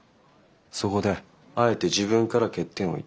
そこであえて自分から欠点を言った。